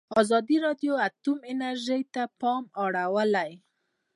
ازادي راډیو د اټومي انرژي ته پام اړولی.